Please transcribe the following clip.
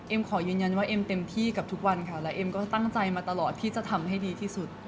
ขอยืนยันว่าเอ็มเต็มที่กับทุกวันค่ะและเอ็มก็ตั้งใจมาตลอดที่จะทำให้ดีที่สุด